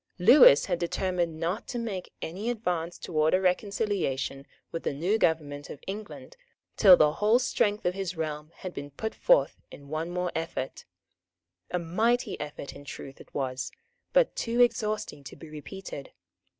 Lewis had determined not to make any advance towards a reconciliation with the new government of England till the whole strength of his realm had been put forth in one more effort. A mighty effort in truth it was, but too exhausting to be repeated.